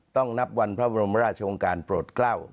ต้องนับวันพระบรมราชองค์การโปรดเกล้า